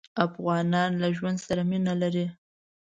افغانان له ژوند سره مينه لري.